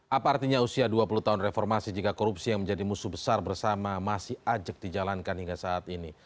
apa artinya usia dua puluh tahun reformasi jika korupsi yang menjadi musuh besar bersama masih ajak dijalankan hingga saat ini